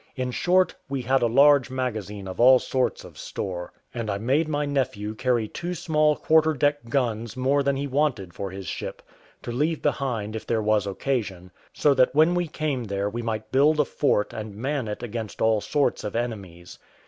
In short, we had a large magazine of all sorts of store; and I made my nephew carry two small quarter deck guns more than he wanted for his ship, to leave behind if there was occasion; so that when we came there we might build a fort and man it against all sorts of enemies.